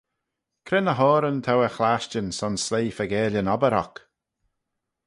Cre ny h-oyryn t'ou er chlashtyn son sleih faagail yn obbyr oc?